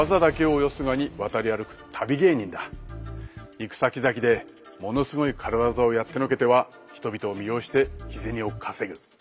行くさきざきでものすごい軽業をやってのけては人々を魅了して日銭を稼ぐ。